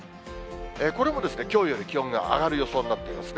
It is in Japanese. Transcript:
これもきょうより気温が上がる予想になっていますね。